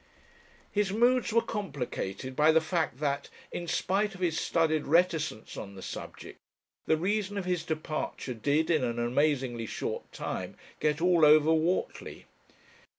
His moods were complicated by the fact that, in spite of his studied reticence on the subject, the reason of his departure did in an amazingly short time get "all over Whortley."